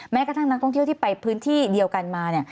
แม้กระทั่งนักท่องเที่ยวที่ไปพื้นที่เดียวกันมา